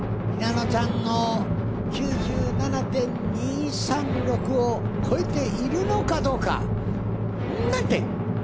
Ｈｉｎａｎｏちゃんの９７．２３６を超えているのかどうか！？